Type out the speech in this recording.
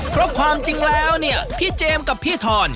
เพราะความจริงแล้วเนี่ยพี่เจมส์กับพี่ทอน